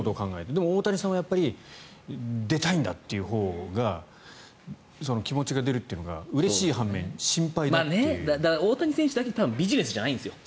でも、大谷さんは出たいんだというほうが気持ちが出るというのが大谷選手だけビジネスじゃないんですよ。